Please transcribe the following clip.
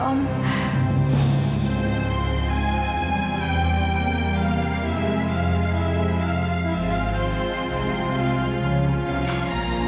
kamu akan selamat